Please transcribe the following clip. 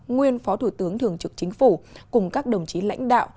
nguyên phó thủ tướng thường trực chính phủ cùng các đồng chí lãnh đạo